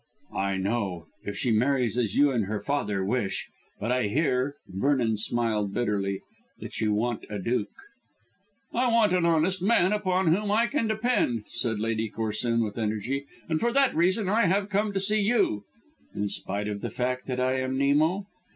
"I know, if she marries as you and her father wish. But I hear," Vernon smiled bitterly, "that you want a duke." "I want an honest man, upon whom I can depend," said Lady Corsoon with energy, "and for that reason I have come to see you." "In spite of the fact that I am Nemo?"